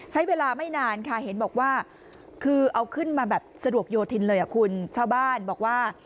ใช้เวลาไม่นานค่ะเห็นบอกว่าคือเอาขึ้นมาแบบสะดวกโยธินเลยอ่ะคุณชาวบ้านบอกว่า